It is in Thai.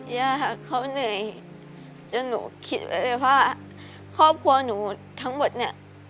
ยากเขาเหนื่อยจนหนูคิดไว้เลยว่าครอบครัวหนูทั้งหมดเนี่ย